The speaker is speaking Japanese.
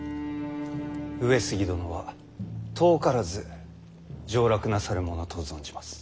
上杉殿は遠からず上洛なさるものと存じます。